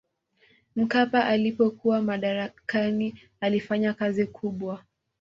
mkapa alipokuwa madarakani alifanya kazi kubwa